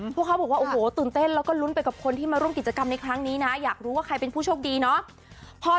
เขาบอกว่าโอ้โหตื่นเต้นแล้วก็ลุ้นไปกับคนที่มาร่วมกิจกรรมในครั้งนี้นะอยากรู้ว่าใครเป็นผู้โชคดีเนาะ